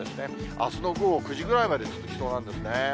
あすの午後９時ぐらいまで続きそうなんですね。